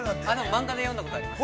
◆漫画で読んだことあります。